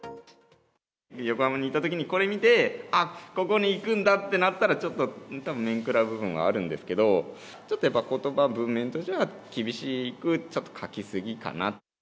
横浜にいたときに、これ見て、あっ、ここに行くんだってなったらちょっと、たぶんめんくらう部分はあるんですけど、ちょっとやっぱ、ことば、文面としては厳しくちょっと書きすぎかな。